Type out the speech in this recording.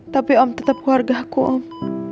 tapi om tetap keluarga aku om